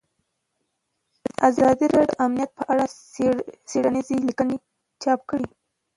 ازادي راډیو د امنیت په اړه څېړنیزې لیکنې چاپ کړي.